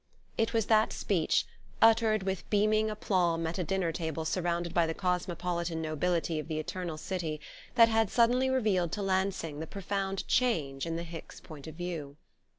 It was that speech, uttered with beaming aplomb at a dinner table surrounded by the cosmopolitan nobility of the Eternal City, that had suddenly revealed to Lansing the profound change in the Hicks point of view.